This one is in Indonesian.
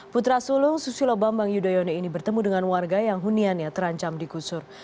putra sulung susilo bambang yudhoyono ini bertemu dengan warga yang huniannya terancam digusur